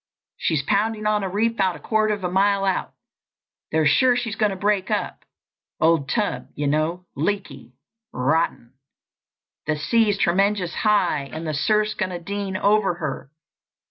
She's pounding on a reef 'bout a quarter of a mile out. They're sure she's going to break up—old tub, you know—leaky—rotten. The sea's tremenjus high, and the surfs going dean over her.